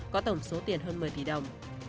có tổng số tiền hơn một mươi tỷ đồng